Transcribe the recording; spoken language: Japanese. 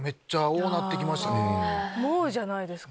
もうじゃないですか？